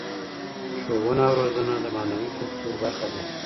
ښوونه او روزنه د معنوي کلتور برخه ده.